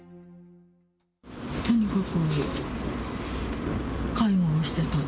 とにかく、介護をしていた。